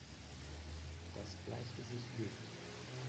Das Bleichgesicht lügt!